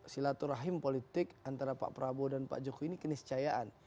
silaturahim politik antara pak prabowo dan pak jokowi ini keniscayaan